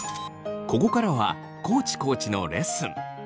ここからは地コーチのレッスン。